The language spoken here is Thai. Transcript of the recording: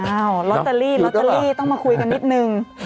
ลอตเตอรี่ลอตเตอรี่ต้องมาคุยกันนิดนึง